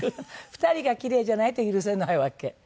２人がキレイじゃないと許せないわけ。